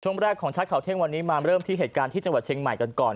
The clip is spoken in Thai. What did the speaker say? แรกของชัดข่าวเที่ยงวันนี้มาเริ่มที่เหตุการณ์ที่จังหวัดเชียงใหม่กันก่อน